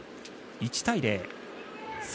１対０。